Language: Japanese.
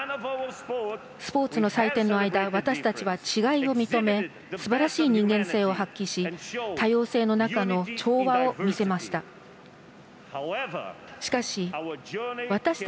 スポーツの祭典の間私たちは、違いを認めすばらしい人間性を発揮し多様性の中の調和を見せました。